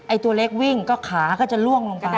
ตัวเล็กวิ่งก็ขาก็จะล่วงลงไป